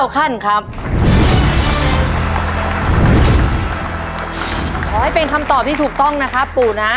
ขอให้เป็นคำตอบที่ถูกต้องนะครับปู่นะ